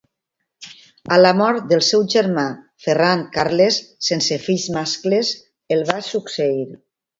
A la mort del seu germà Ferran Carles sense fills mascles, el va succeir.